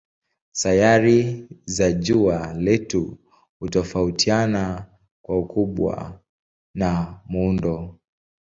Sayari za jua letu hutofautiana kwa ukubwa na muundo.